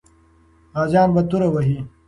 غازیان به توره وهي.